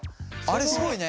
あれすごいね。